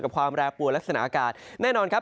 ความแปรปวดลักษณะอากาศแน่นอนครับ